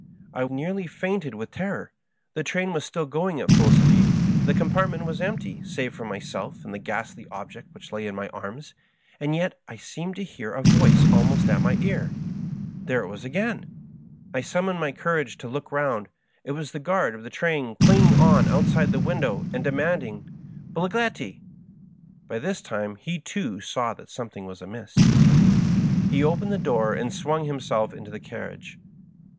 I nearly fainted with terror. The train was still going at full speed ; the com partment was empty, save for myself and the ghastly ob ject which lay in my arms ; and yet I seemed to hear a voice almost at my ear. There it was again 1 I sum moned up courage to look round. It was the guard of the train clinging on outside the window and demanding "Bigliettil" By this time he, too, saw that something was amiss. He opened the door and swung himself into the carriage.